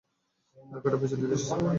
ধাক্কাটা পেছন থেকে এসেছে।